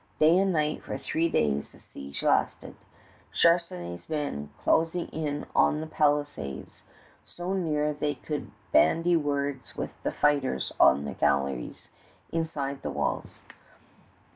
Day and night for three days the siege lasted, Charnisay's men closing in on the palisades so near they could bandy words with the fighters on the galleries inside the walls.